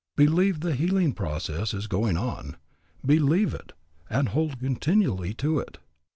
Believe the healing process is going on. Believe it, and hold continually to it.